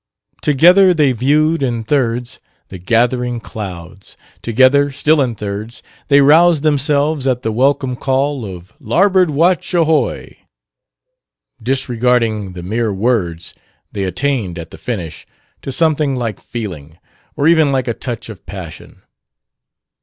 Together they viewed in thirds "the gath'ring clouds"; together still in thirds they roused themselves "at the welcome call" of "Larboard watch, ahoy!" Disregarding the mere words, they attained, at the finish, to something like feeling or even like a touch of passion.